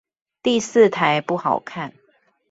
第四台不好看